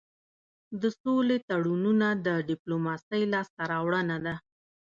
د سولې تړونونه د ډيپلوماسی لاسته راوړنه ده.